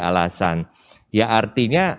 alasan ya artinya